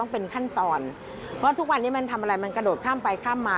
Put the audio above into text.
เพราะว่าทุกวันนี้มันทำอะไรมันกระโดดข้ามไปข้ามมา